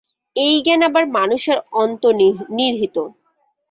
এই জ্ঞান আবার মানুষের অন্তর্নিহিত।